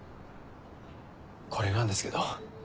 これなんですけど。